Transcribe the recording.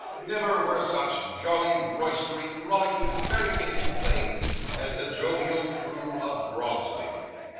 Never were such jolly, roystering, rollicking, merry making blades, as the jovial crew of Grogzwig.